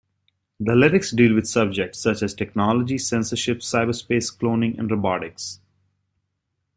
The lyrics deal with subjects such as technology, censorship, cyberspace, cloning and robotics.